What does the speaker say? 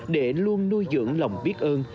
để luôn nuôi dưỡng lòng biết ơn